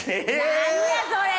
何やそれ！